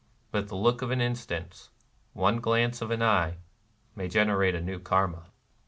But the look of an instant, — one glance of the eye, — may generate a new Karma.